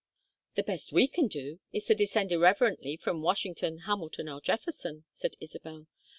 "The best we can do is to descend irrelevantly from Washington, Hamilton, or Jefferson," said Isabel.